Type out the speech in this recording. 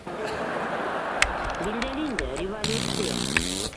— Билдәле инде, революция.